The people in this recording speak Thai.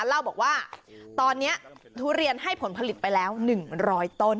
เล่าบอกว่าตอนเนี้ยทุเรียนให้ผลผลิตไปแล้วหนึ่งร้อยต้น